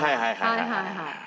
はいはいはい。